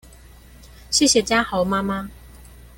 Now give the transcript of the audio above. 謝謝家豪媽媽